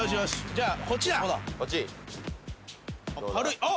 じゃあこっちだ！